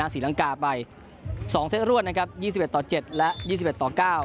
ศรีลังกาไป๒เซตรวดนะครับยี่สิบเอ็ดต่อเจ็ดและยี่สิบเอ็ดต่อเก้า